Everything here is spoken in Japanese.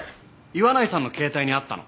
岩内さんの携帯にあったの。